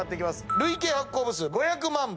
累計発行部数５００万部。